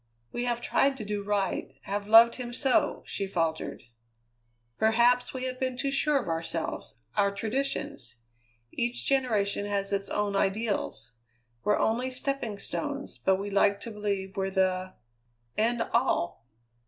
"We have tried to do right have loved him so," she faltered. "Perhaps we have been too sure of ourselves, our traditions. Each generation has its own ideals. We're only stepping stones, but we like to believe we're the end all!"